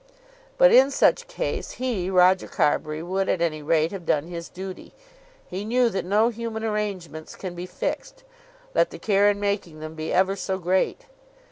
But in such case he, Roger Carbury, would at any rate have done his duty. He knew that no human arrangements can be fixed, let the care in making them be ever so great.